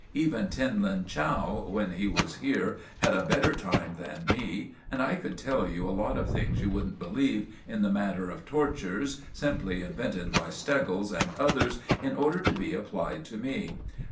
Even Tin Lin Chow when he was here had a better time than me, and I could tell you a lot of things you wouldn't believe in the matter of tortures, simply invented by Steggles and others in order to be applied to me.